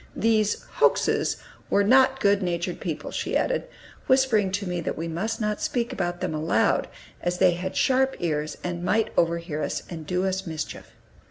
These "Hokeses" were not good natured people, she added, whispering to me that we must not speak about them aloud, as they had sharp ears, and might overhear us, and do us mischief.